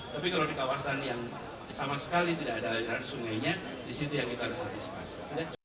tapi kalau di kawasan yang sama sekali tidak ada aliran sungainya di situ yang kita harus antisipasi